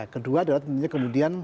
kedua adalah tentunya kemudian